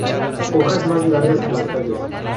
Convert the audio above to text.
Hojas más largas que los tallos.